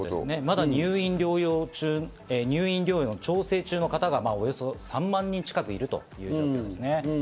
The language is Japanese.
まだ入院療養の調整中の方がおよそ３万人近くいるということですね。